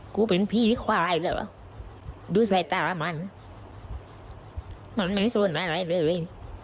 กูเป็นพี่ควายเหรอดูสายตามันมันไม่สนอะไรเลย